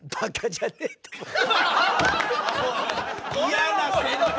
嫌な先輩。